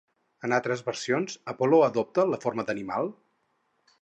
En altres versions Apol·lo adopta la forma d'animal?